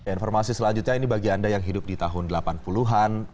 informasi selanjutnya ini bagi anda yang hidup di tahun delapan puluh an